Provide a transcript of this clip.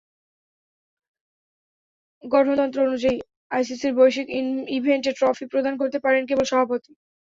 গঠনতন্ত্র অনুযায়ী আইসিসির বৈশ্বিক ইভেন্টে ট্রফি প্রদান করতে পারেন কেবল সভাপতি।